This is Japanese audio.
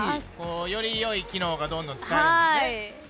より良い機能がどんどん使えるんですね。